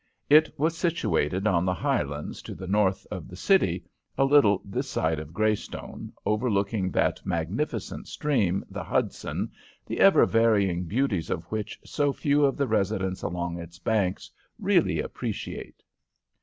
It was situated on the high lands to the north of the city, a little this side of Greystone, overlooking that magnificent stream, the Hudson, the ever varying beauties of which so few of the residents along its banks really appreciate.